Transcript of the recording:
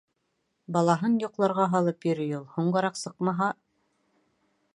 — Балаһын йоҡларға һалып йөрөй ул. Һуңғараҡ сыҡмаһа.